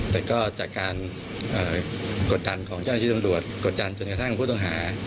แต่ก็จากการกดดันของเจ้าหน้าที่ตำรวจกดดันจนกระทั่งผู้ต้องหา